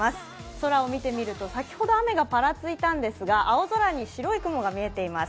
空を見てみると先ほど雨がぱらついたんですが青空に白い雲が見えています。